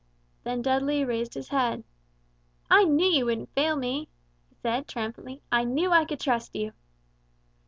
Then Dudley raised his head: "I knew you wouldn't fail me," he said, triumphantly; "I knew I could trust you!"